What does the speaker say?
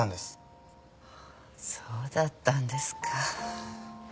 そうだったんですか。